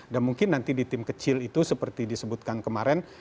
dan mungkin nanti di tim kecil itu seperti disebutkan kemarin